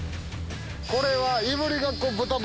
これは。